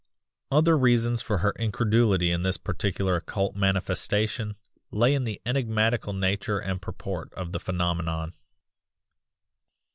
"Other reasons for her incredulity in this particular occult manifestation lay in the enigmatical nature and purport of the phenomenon.